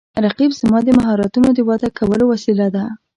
رقیب زما د مهارتونو د وده کولو وسیله ده